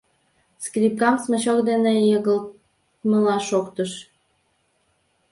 Скрипкам смычок дене йыгалтымыла шоктыш.